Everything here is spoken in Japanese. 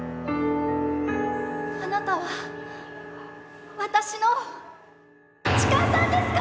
あなたは私の痴漢さんですか？